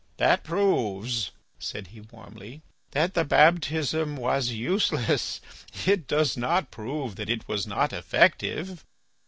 "That proves," said he warmly, "that the baptism was useless; it does not prove that it was not effective."